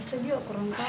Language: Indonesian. saya juga kerantau ya